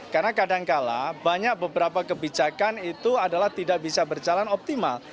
karena kadangkala banyak beberapa kebijakan itu adalah tidak bisa berjalan optimal